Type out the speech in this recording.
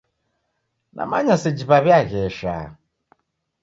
Namanya seji w'aw'iaghesha.